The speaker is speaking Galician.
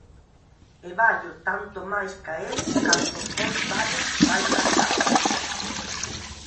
E vallo tanto máis ca el canto os bois valen máis cás cabras.